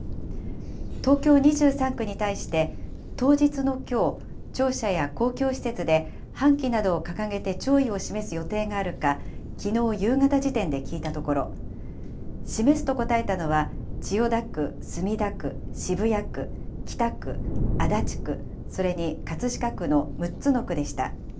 東京２３区に対して、当日のきょう、庁舎や公共施設で半旗などを掲げて弔意を示す予定があるか、きのう夕方時点で聞いたところ、示すと答えたのは千代田区、墨田区、渋谷区、北区、足立区、それに葛飾区の６つの区でした。